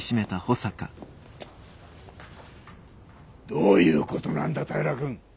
どういうことなんだ平君！